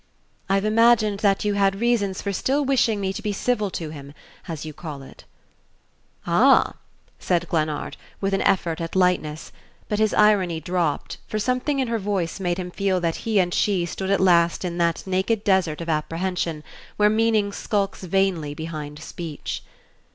"I've imagined that you had reasons for still wishing me to be civil to him, as you call it." "Ah," said Glennard, with an effort at lightness; but his irony dropped, for something in her voice made him feel that he and she stood at last in that naked desert of apprehension where meaning skulks vainly behind speech.